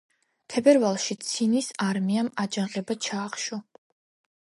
თებერვალში ცინის არმიამ აჯანყება ჩაახშო.